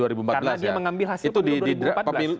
karena dia mengambil hasil pemilu dua ribu empat belas